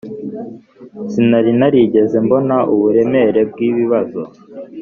sinari narigeze mbona uburemere bwibibazo.